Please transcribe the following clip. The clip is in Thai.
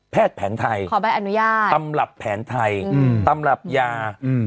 แพทย์แผนไทยตำรับแผนไทยตำรับยาขอแบบอนุญาต